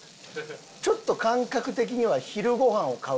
ちょっと感覚的には昼ごはんを買う感じよな。